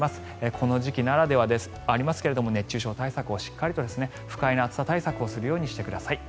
この時期ならではではありますが熱中症対策をしっかりと不快な暑さ対策をするようにしてください。